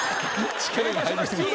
力が入りすぎてた。